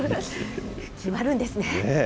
決まるんですね。